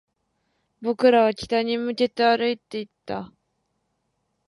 僕らは北に向けて歩いていった